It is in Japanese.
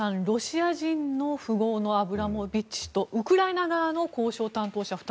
ロシア人の富豪のアブラモビッチ氏とウクライナ側の交渉担当者